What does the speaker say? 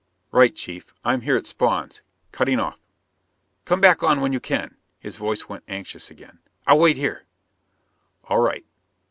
"Right, Chief. I'm here at Spawn's, cutting off." "Come back on when you can." His voice went anxious again. "I'll wait here." "All right."